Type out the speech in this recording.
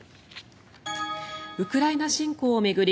ウクライナ侵攻を巡り